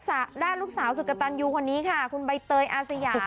ด้านลูกสาวสุดกระตันยูคนนี้ค่ะคุณใบเตยอาสยา